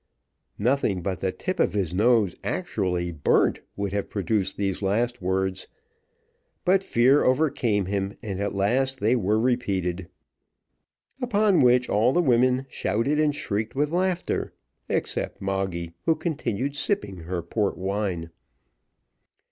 Nothing but the tip of his nose actually burnt would have produced these last words; but fear overcame him, and at last they were repeated. Upon which all the women shouted and shrieked with laughter, except Moggy, who continued sipping her port wine.